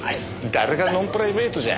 誰がノンプライベートじゃ。